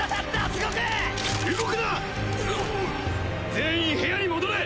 全員部屋に戻れ！